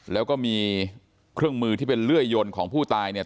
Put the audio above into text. แล้วก็มีเครื่องมือที่เป็นเลื่อยยนต์ของผู้ตายเนี่ย